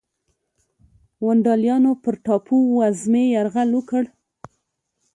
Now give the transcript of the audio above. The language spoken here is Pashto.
ونډالیانو پر ټاپو وزمې یرغل وکړ.